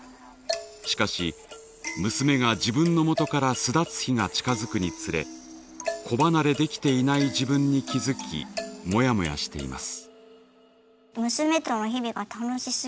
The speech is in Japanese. しかし娘が自分の元から巣立つ日が近づくにつれ子離れできていない自分に気付きモヤモヤしています。